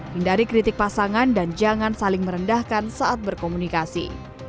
hindari kritik pasangan dan jangan saling merendahkan saat berkomunikasi